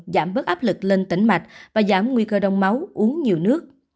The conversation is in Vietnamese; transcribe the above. giảm bớt áp lực lên tỉnh mạch và giảm nguy cơ đông máu uống nhiều nước